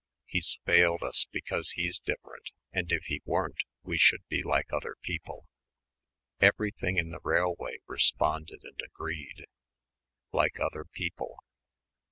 He's failed us because he's different and if he weren't we should be like other people. Everything in the railway responded and agreed. Like other people